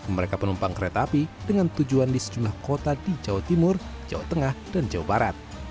mereka penumpang kereta api dengan tujuan di sejumlah kota di jawa timur jawa tengah dan jawa barat